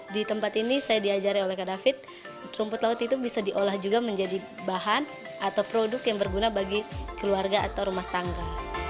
di tempat ini saya diajari oleh kak david rumput laut itu bisa diolah juga menjadi bahan atau produk yang berguna bagi keluarga atau rumah tangga